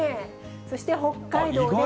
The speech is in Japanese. そして北海道で。